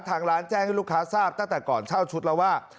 ทางร้านแจ้งให้ลูกค้าทราบตั้งแต่ก่อนเช่าชุดแล้วว่า